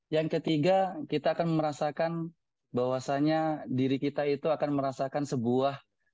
yang ketiga kita akan merasakan bahwasannya diri kita itu akan merasakan sebuah